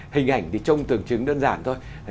hình ảnh thì trông tưởng chứng đơn giản thôi